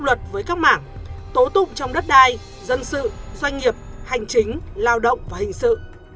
luật với các mảng tố tụng trong đất đai dân sự doanh nghiệp hành chính lao động và hình sự